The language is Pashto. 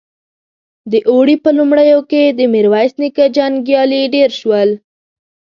د اوړي په لومړيو کې د ميرويس نيکه جنګيالي ډېر شول.